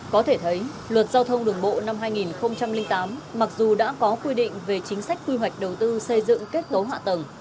có thể thấy luật giao thông đường bộ năm hai nghìn tám mặc dù đã có quy định về chính sách quy hoạch đầu tư xây dựng kết cấu hạ tầng